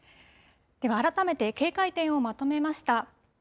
では、改めて警戒点をまとめました。